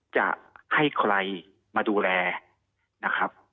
จะให้ใครมาดูแลนะครับ